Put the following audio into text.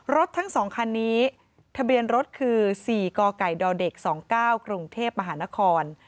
ทั้ง๒คันนี้ทะเบียนรถคือ๔กกดเด็ก๒๙กรุงเทพมหานคร